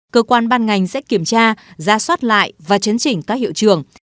cơ quan ban ngành sẽ kiểm tra ra soát lại và chấn chỉnh các hiệu trường